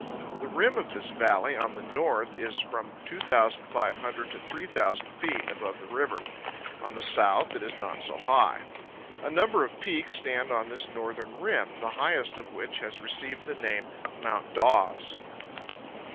The rim of this valley on the north is from 2,500 to 3,000 feet above the river; on the south it is not so high. A number of peaks stand on this northern rim, the highest of which has received the name Mount Dawes.